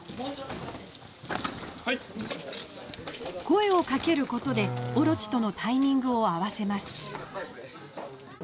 声をかけることで大蛇とのタイミングを合わせます。